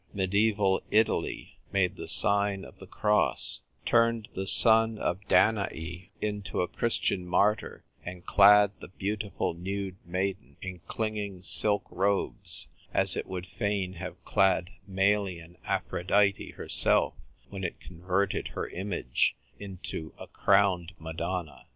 Mediaeval Italy made the sign of the cross, turned the son of Danae into a Christian martyr, and clad the beautiful nude maiden in clinging silk robes, as it would fain have clad Melian Aphrodite herself when it converted her image into a crowned Madonna.